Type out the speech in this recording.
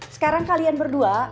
sekarang kalian berdua